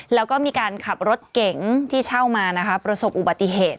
แล้วก็มีการขับรถเก๋งที่เช่ามานะคะประสบอุบัติเหตุ